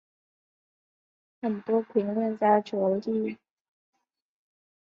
很多评论家着书立说批评沃斯通克拉夫特在教育方面的观点。